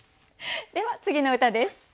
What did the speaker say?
では次の歌です。